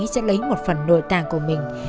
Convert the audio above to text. sẽ lấy một phần nội tạng của mình